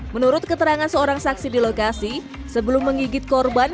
menurut keterangan seorang saksi di lokasi sebelum menggigit korban